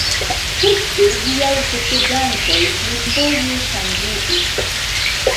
Poste ĝiaj posedantoj plurfoje ŝanĝiĝis.